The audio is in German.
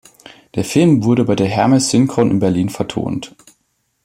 Der Film wurde bei der Hermes Synchron in Berlin vertont.